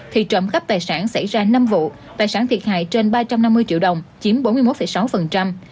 thì trộm cắp tài sản xảy ra năm vụ tài sản thiệt hại trên ba trăm năm mươi triệu đồng chiếm bốn mươi một sáu